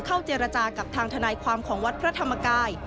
เจรจากับทางทนายความของวัดพระธรรมกาย